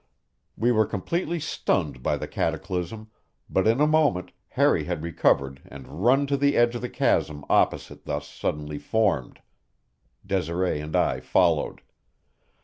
We were completely stunned by the cataclysm, but in a moment Harry had recovered and run to the edge of the chasm opposite thus suddenly formed. Desiree and I followed.